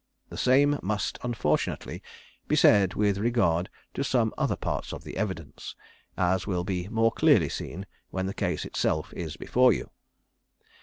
The same must, unfortunately, be said with regard to some other parts of the evidence, as will be more clearly seen when the case itself is before you.